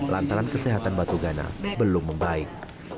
lantaran kesehatan batu gana belum membaik